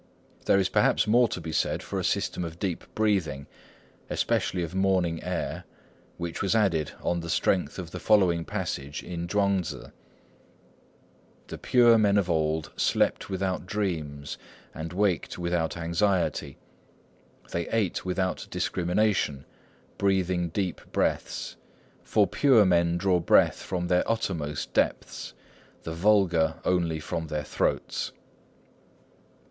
There is perhaps more to be said for a system of deep breathing, especially of morning air, which was added on the strength of the following passage in Chuang Tzŭ:— "The pure men of old slept without dreams, and waked without anxiety. They ate without discrimination, breathing deep breaths. For pure men draw breath from their uttermost depths; the vulgar only from their throats."